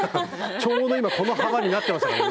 ちょうど今この幅になってましたからね。